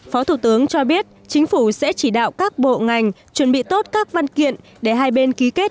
phó thủ tướng cho biết chính phủ sẽ chỉ đạo các bộ ngành chuẩn bị tốt các văn kiện để hai bên ký kết